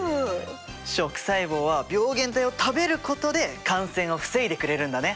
食細胞は病原体を食べることで感染を防いでくれるんだね。